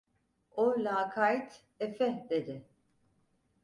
O lakayt: - Efe, dedi.